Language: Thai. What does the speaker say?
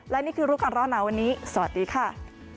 และนี่คือรู้ก่อนร้อนหนาวันนี้สวัสดีค่ะ